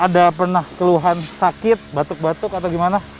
ada pernah keluhan sakit batuk batuk atau gimana